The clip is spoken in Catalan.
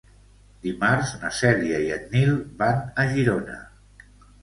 Dimarts na Cèlia i en Nil van a Girona.